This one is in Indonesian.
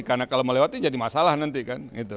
karena kalau melewati jadi masalah nanti kan